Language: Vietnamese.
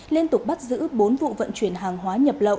liên tục bắt giữ bốn vụ vận chuyển hàng hóa